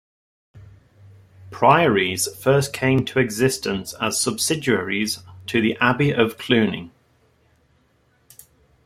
Priories first came to existence as subsidiaries to the Abbey of Cluny.